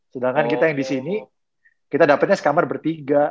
sedangkan kita yang disini kita dapetnya sekamer bertiga